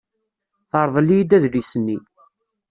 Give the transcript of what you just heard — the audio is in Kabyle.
Terḍel-iyi-d adlis-nni.